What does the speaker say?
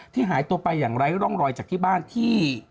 หายตัวไปอย่างไร้ร่องรอยจากที่บ้านที่